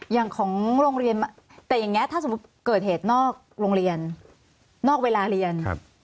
อย่างของโรงเรียนแต่อย่างนี้ถ้าสมมุติเกิดเหตุนอกโรงเรียนนอกเวลาเรียน